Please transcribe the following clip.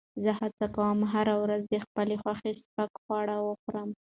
زه هڅه کوم هره ورځ د خپل خوښې سپک خواړه وخورم.